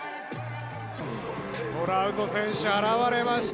トラウト選手現れました。